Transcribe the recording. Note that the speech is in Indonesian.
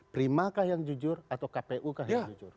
prima kah yang jujur atau kpu kah yang jujur